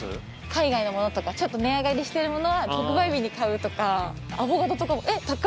海外のものとかちょっと値上がりしているものは特売日に買うとかアボカドとかもえっ、高っ！